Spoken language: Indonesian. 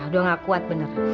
udah gak kuat bener